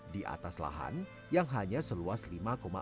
di atas lahan yang hanya seluas lima empat